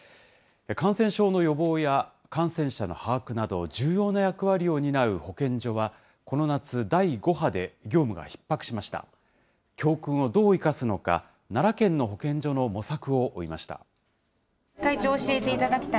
感染症の予防や感染者の把握など、重要な役割を担う保健所はこの夏、第５波で業務がひっ迫しました。